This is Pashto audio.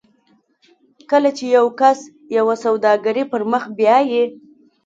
کله چې یو کس یوه سوداګري پر مخ بیایي